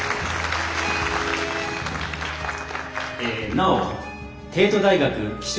なお帝都大学稀少